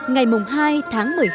ngày hai tháng một mươi hai